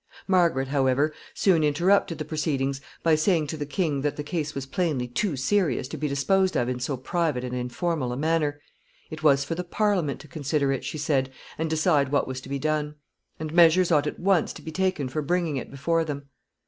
Margaret, however, soon interrupted the proceedings by saying to the king that the case was plainly too serious to be disposed of in so private and informal a manner. It was for the Parliament to consider it, she said, and decide what was to be done; and measures ought at once to be taken for bringing it before them.